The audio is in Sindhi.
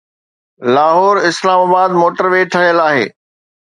Lahore Islamabad motorway ٺهيل آهي.